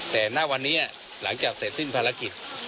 แต่หน้าวันนี้แล้วหลังจากเสร็จสิ้นภารกิจ